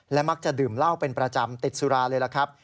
มักจะดื่มเหล้าเป็นประจำติดสุราเลยล่ะครับ